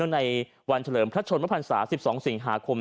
ในวันเฉลิมพระชนมพันศา๑๒สิงหาคม